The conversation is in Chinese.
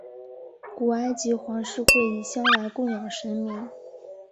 古埃及皇室会以香来供养神明。